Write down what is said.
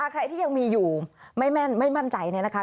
ใครที่ยังมีอยู่ไม่มั่นใจเนี่ยนะคะ